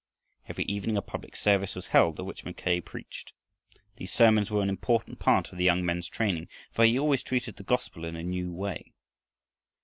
Every evening a public service was held at which Mackay preached. These sermons were an important part of the young men's training, for he always treated the gospel in a new way.